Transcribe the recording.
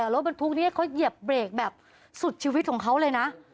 รถบรรทุกนี้เขาเหยียบเบรกแบบสุดชีวิตของเขาเลยนะ